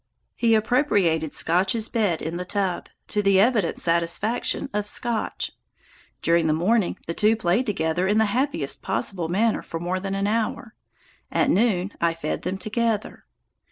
He appropriated Scotch's bed in the tub, to the evident satisfaction of Scotch. During the morning the two played together in the happiest possible manner for more than an hour. At noon I fed them together.